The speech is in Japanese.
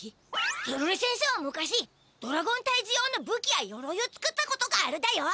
ゾロリせんせは昔ドラゴンたいじ用のぶきやよろいを作ったことがあるだよ。